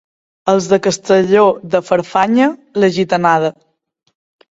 Els de Castelló de Farfanya, la gitanada.